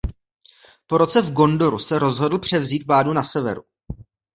Po roce v Gondoru se rozhodl převzít vládu na severu.